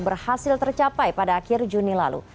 berhasil tercapai pada akhir juni lalu